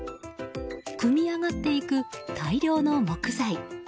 組み上がっていく大量の木材。